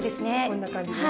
こんな感じです。